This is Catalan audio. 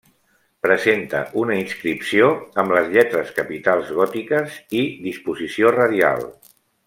Presenta una inscripció amb les lletres capitals gòtiques i disposició radial.